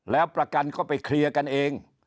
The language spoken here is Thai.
แล้วประกันก็ไปเคลียร์กันเอง